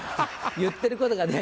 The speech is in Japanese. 言ってることがね